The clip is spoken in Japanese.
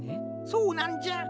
そうなんじゃ。